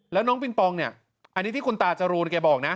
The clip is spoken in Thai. แล้วน้องปิงปองเนี่ยอันนี้ที่คุณตาจรูนแกบอกนะ